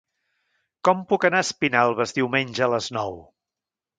Com puc anar a Espinelves diumenge a les nou?